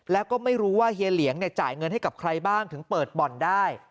แล้วก็ไม่รู้ว่าเฮียเหลียงจ่ายเงินให้กับใครบ้างถึงเปิดบ่อนได้